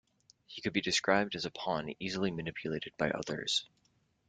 He could be described as a pawn easily manipulated by others.